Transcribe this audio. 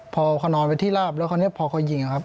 พอเขานอนไปที่ลาบแล้วพอเขาหยิงครับ